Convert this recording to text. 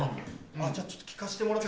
じゃあちょっと聴かせてもらっても。